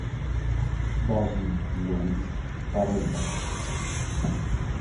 Davi Luiz e Carolina